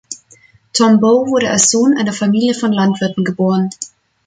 Tombaugh wurde als Sohn einer Familie von Landwirten geboren.